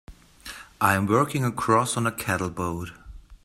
I'm working across on a cattle boat.